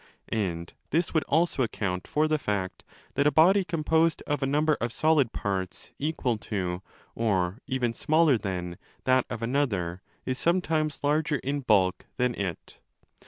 And this would also account for the fact that a body composed of a number of solid parts equal to, or even smaller than, that of another is sometimes larger in bulk than it.